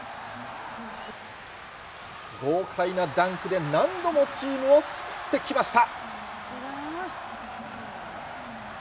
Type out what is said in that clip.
豪快なダンクで何度もチームを救ってきました。